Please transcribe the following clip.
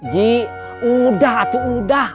ji udah atau udah